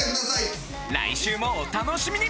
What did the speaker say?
来週もお楽しみに！